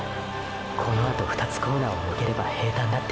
“このあと２つコーナーをぬければ平坦”だって